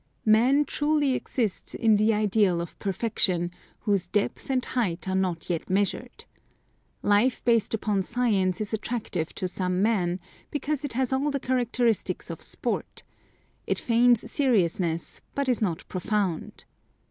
Man truly exists in the ideal of perfection, whose depth and height are not yet measured. Life based upon science is attractive to some men, because it has all the characteristics of sport; it feigns seriousness, but is not profound.